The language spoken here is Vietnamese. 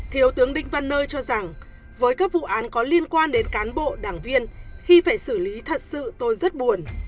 thiếu tướng đinh văn nơ cho rằng với các vụ án có liên quan đến cán bộ đảng viên khi phải xử lý thật sự tôi rất buồn